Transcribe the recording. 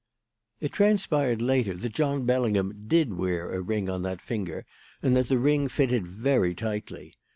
"It transpired later that John Bellingham did wear a ring on that finger and that the ring fitted very tightly.